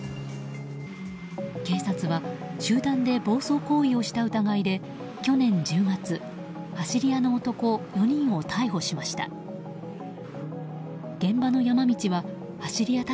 警察は集団で暴走行為をした疑いで去年１０月走り屋の男４人を逮捕しました。